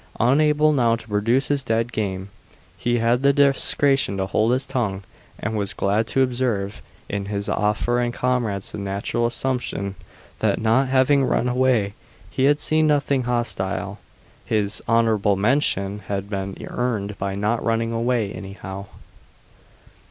Unable now to produce his dead game he had the discretion to hold his tongue, and was glad to observe in his officer and comrades the natural assumption that not having run away he had seen nothing hostile. His "honorable mention" had been earned by not running away anyhow.